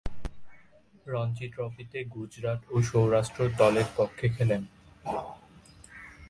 রঞ্জী ট্রফিতে গুজরাত ও সৌরাষ্ট্র দলের পক্ষে খেলেন।